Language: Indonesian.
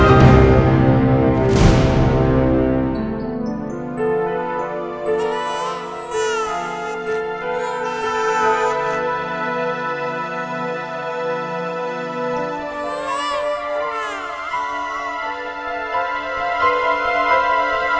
ayo ibu terus ibu